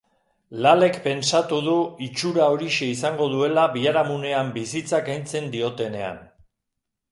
Lalek pentsatu du itxura horixe izango duela biharamunean bizitza kentzen diotenean.